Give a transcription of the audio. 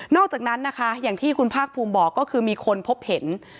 อกจากนั้นนะคะอย่างที่คุณภาคภูมิบอกก็คือมีคนพบเห็น